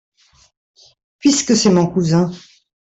Puisque c’est mon cousin.